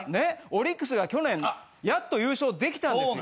オリックスが去年やっと優勝できたんですよ。